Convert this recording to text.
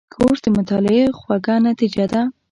کورس د مطالعې خوږه نتیجه ده.